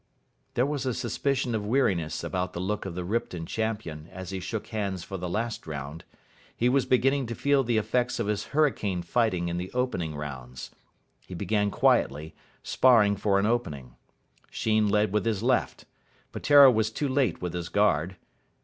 There was a suspicion of weariness about the look of the Ripton champion as he shook hands for the last round. He was beginning to feel the effects of his hurricane fighting in the opening rounds. He began quietly, sparring for an opening. Sheen led with his left. Peteiro was too late with his guard.